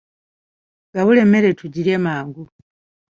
Gabula emmere tugirye mangu.